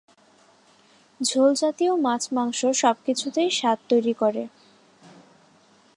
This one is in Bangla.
ঝোল জাতীয় মাছ-মাংস সব কিছুতেই স্বাদ তৈরি করে।